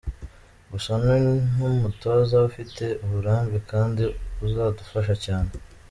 Gusa ni n’umutoza ufite uburambe kandi azadufasha cyane.